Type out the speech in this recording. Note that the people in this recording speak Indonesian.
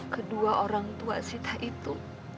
kedua orang tua sita itu